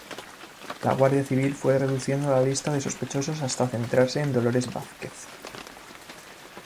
La Guardia Civil fue reduciendo la lista de sospechosos hasta centrarse en Dolores Vázquez.